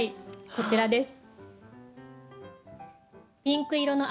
こちらです。